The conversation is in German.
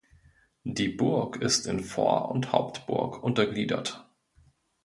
Die Burg ist in Vor- und Hauptburg untergliedert.